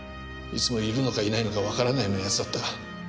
いつもいるのかいないのかわからないような奴だった。